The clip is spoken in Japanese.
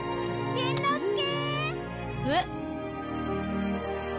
しんのすけ！